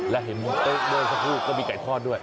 และเห็นเมื่อสักครู่ก็มีไก่ทอดด้วย